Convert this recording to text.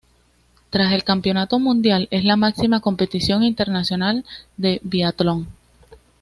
Tras el Campeonato Mundial, es la máxima competición internacional de biatlón.